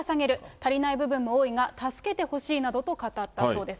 足りない部分も多いが、助けてほしいなどと語ったそうです。